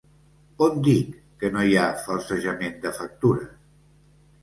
On dic que no hi ha falsejament de factures?